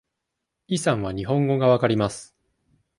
イさんは日本語が分かります。